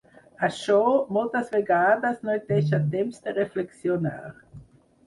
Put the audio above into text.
Això, moltes vegades, no et deixa temps de reflexionar.